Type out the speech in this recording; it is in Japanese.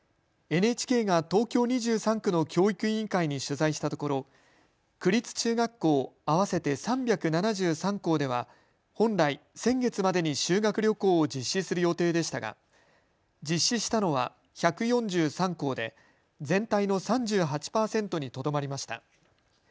ＮＨＫが東京２３区の教育委員会に取材したところ区立中学校、合わせて３７３校では本来、先月までに修学旅行を実施する予定でしたが実施したのは１４３校で全体の３８％にとどまりました。